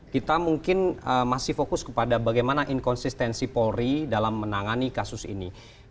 kita mungkin masih fokus kepada bagaimana inkonsistensi polri dalam menangani kasus ini